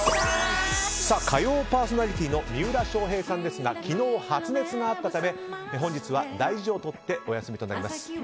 火曜パーソナリティーの三浦翔平さんですが昨日、発熱があったため本日は大事を取ってお休みとなります。